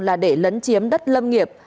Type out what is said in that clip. là để lấn chiếm đất lâm nghiệp